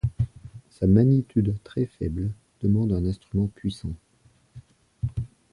Sa magnitude très faible demande un instrument puissant.